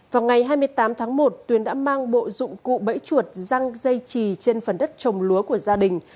vào ngày hai mươi tám tháng một tuyến đã mang bộ dụng cụ bẫy chuột răng dây trì trên phần đất trồng lúa của gia đình